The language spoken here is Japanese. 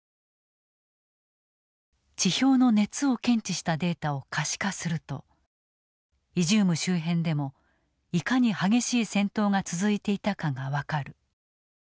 地表の熱を検知したデータを可視化するとイジューム周辺でもいかに激しい戦闘が続いていたかが分かる。